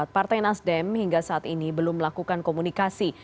partai nasdem hingga saat ini belum melakukan komunikasi